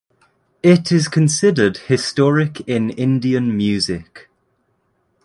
It is considered historic in Indian music.